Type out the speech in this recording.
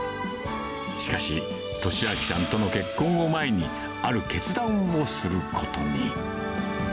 しかし、利昭さんとの結婚を前に、ある決断をすることに。